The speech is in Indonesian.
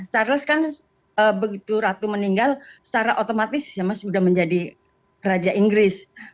charles kan begitu ratu meninggal secara otomatis ya mas sudah menjadi raja inggris